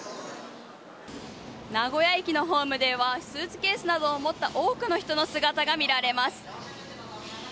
名古屋駅のホームではスーツケースなどを持った多くの人の姿が見られます。